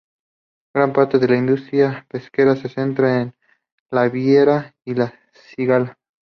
Gran parte de la industria pesquera se centra en la vieira y la cigala.